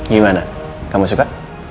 gimana kamu suka